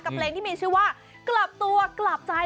เพลงที่มีชื่อว่ากลับตัวกลับใจ